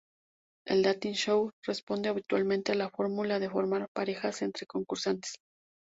El "dating show" responde habitualmente a la fórmula de formar parejas entre concursantes.